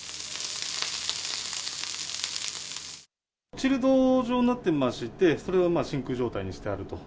チルド状になってまして、それを真空状態にしてあると。